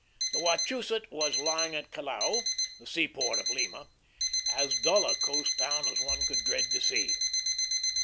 The Wachusett was lying at Callao, the seaport of Lima, as dull a coast town as one could dread to see.